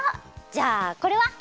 じゃあこれは？